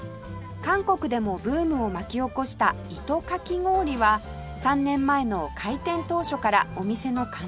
韓国でもブームを巻き起こした糸かき氷は３年前の開店当初からお店の看板商品です